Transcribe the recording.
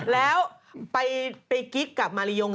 แล้วไปกิ๊กกับมาริยง